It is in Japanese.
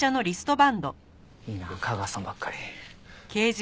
いいな架川さんばっかり。